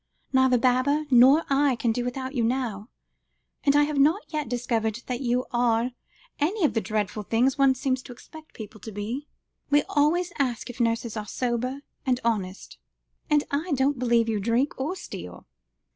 Neither Baba nor I can do without you now. And I have not yet discovered that you are any of the dreadful things one seems to expect people to be. We always ask if nurses are sober and honest; and I don't believe you drink or steal."